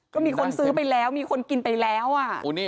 ก็มีคนซื้อไปแล้วมีคนกินไปแล้ว